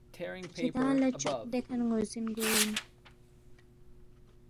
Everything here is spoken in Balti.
کِھدانگ لہ چوق دیکھہ ن٘وزِن گوے اِن